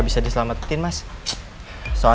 berdasarkan pasal satu ratus dua puluh lima hir